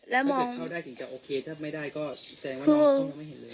ถ้าเกิดเข้าได้ถึงจะโอเคถ้าไม่ได้ก็แสดงว่าน้องเขายังไม่เห็นเลย